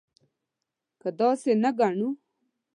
که داسې نه ګڼو.